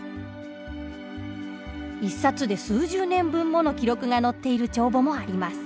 １冊で数十年分もの記録が載っている帳簿もあります。